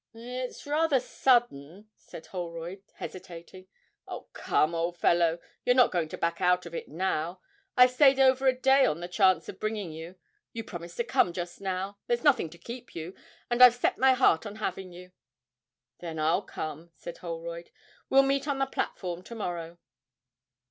'It's rather sudden,' said Holroyd, hesitating. 'Oh, come, old fellow, you're not going to back out of it now. I've stayed over a day on the chance of bringing you; you promised to come just now; there's nothing to keep you, and I've set my heart on having you.' 'Then I'll come,' said Holroyd. 'We'll meet on the platform to morrow.'